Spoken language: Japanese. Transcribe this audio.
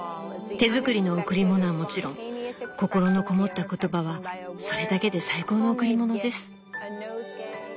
手作りの贈り物はもちろん心のこもった言葉はそれだけで最高の贈り物です。